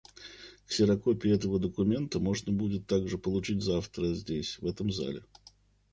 Ксерокопии этого документа можно будет также получить завтра здесь, в этом зале.